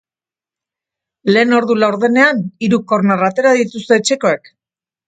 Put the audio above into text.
Lehen ordu laurdenean, hiru korner atera dituzte etxekoek.